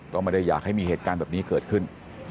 ก็ไม่ได้อยากให้มีเหตุการณ์แบบนี้เกิดขึ้น